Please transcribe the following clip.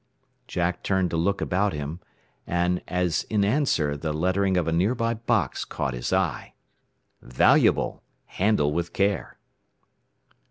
Jack turned to look about him, and as in answer the lettering of a nearby box caught his eye: "VALUABLE! HANDLE WITH CARE!"